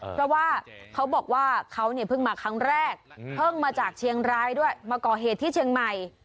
เพราะว่าเขาบอกว่าเขาเนี่ยเพิ่งมาครั้งแรกเพิ่งมาจากเชียงรายด้วยมาก่อเหตุที่เชียงใหม่